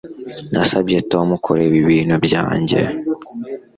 Nasabye Tom kureba ibintu byanjye